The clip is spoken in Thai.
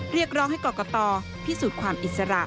เรียกร้องให้กรกตพิสูจน์ความอิสระ